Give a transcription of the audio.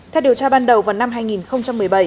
theo điều tra ban đầu vào năm hai nghìn một mươi bảy